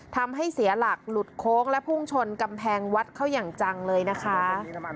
ทำให้เสียหลักหลุดโค้งและพุ่งชนกำแพงวัดเข้าอย่างจังเลยนะคะ